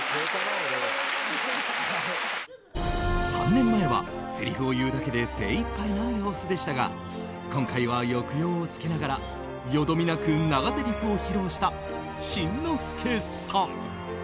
３年前は、せりふを言うだけで精いっぱいな様子でしたが今回は抑揚をつけながらよどみなく長ぜりふを披露した新之助さん。